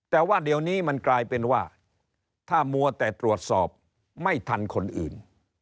แต่ว่าเดี๋ยวนี้มันกลายเป็นว่าถ้ามัวแต่ตรวจสอบไม่ทันคนอื่น